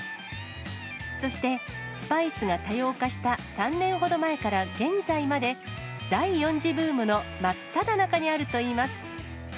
そしてスパイスが多様化した３年ほど前から現在まで、第４次ブームの真っただ中にあるといいます。